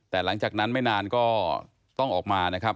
แต่หลังจากนั้นไม่นานก็ต้องออกมานะครับ